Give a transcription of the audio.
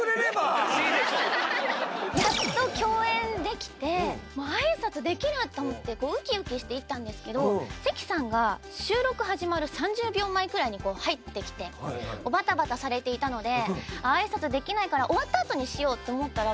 やっと共演できて挨拶できる！と思ってウキウキして行ったんですけど関さんが収録始まる３０秒前くらいに入ってきてバタバタされていたので挨拶できないから終わったあとにしよう！って思ったらもう。